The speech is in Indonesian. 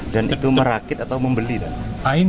dan itu merakit atau membeli